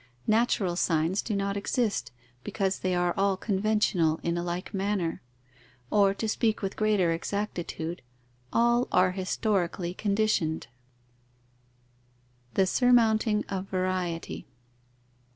Natural signs do not exist; because they are all conventional in a like manner, or, to speak with greater exactitude, all are historically conditioned. _The surmounting of variety.